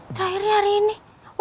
terakhirnya hari ini